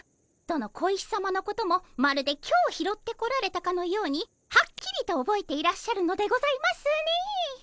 どの小石さまのこともまるで今日拾ってこられたかのようにはっきりとおぼえていらっしゃるのでございますねえ。